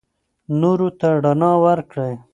نورو ته رڼا ورکړئ.